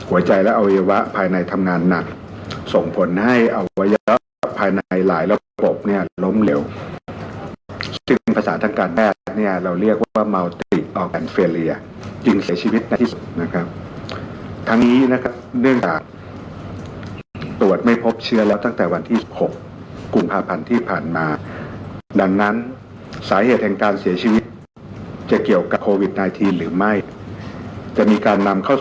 วิวะภายในทำงานหนักส่งผลให้เอาไว้แล้วภายในหลายระบบเนี้ยล้มเร็วซึ่งภาษาทางการแรกเนี้ยเราเรียกว่าจึงเสียชีวิตในที่สุดนะครับทั้งนี้นะครับเนื่องจากตรวจไม่พบเชื้อแล้วตั้งแต่วันที่หกกุมภาพันธ์ที่ผ่านมาดังนั้นสาเหตุแห่งการเสียชีวิตจะเกี่ยวกับโควิดไนทีนหรือไม่จะมีการน